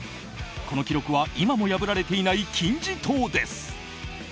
この記録は今も破られていない金字塔です。